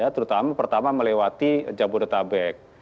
terutama melewati jabodetabek